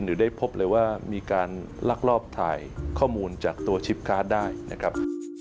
หรือได้พบเลยว่ามีการลักลอบถ่ายข้อมูลจากตัวชิปการ์ดได้นะครับ